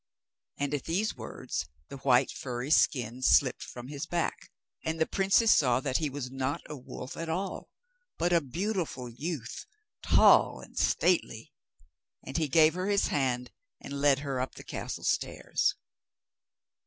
And at these words the white furry skin slipped from his back, and the princess saw that he was not a wolf at all, but a beautiful youth, tall and stately; and he gave her his hand, and led her up the castle stairs.